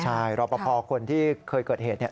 ใช่รอปภคนที่เคยเกิดเหตุเนี่ย